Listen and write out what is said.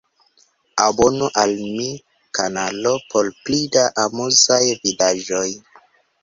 Abonu al mia kanalo por pli da amuzaj vidaĵoj